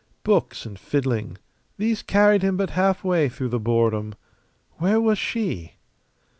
Books and fiddling, these carried him but halfway through the boredom. Where was she?